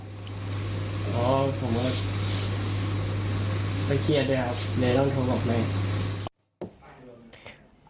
ไม่เครียดเลยครับเลยต้องโทรบใหม่